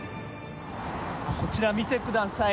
こちら、見てください。